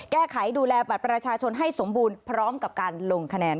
แก้ไขดูแลบัตรประชาชนให้สมบูรณ์พร้อมกับการลงคะแนน